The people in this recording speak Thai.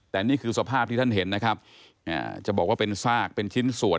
แต่นี่คือสภาพที่ท่านเห็นนะครับจะบอกว่าเป็นซากเป็นชิ้นส่วน